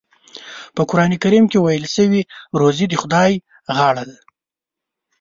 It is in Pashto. په قرآن کریم کې ویل شوي روزي د خدای په غاړه ده.